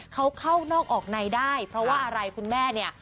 เขาเข้านอกออกในได้เพราะว่าอะไรคุณแม่เนี่ย